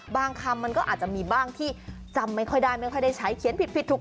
คำมันก็อาจจะมีบ้างที่จำไม่ค่อยได้ไม่ค่อยได้ใช้เขียนผิดผิดถูก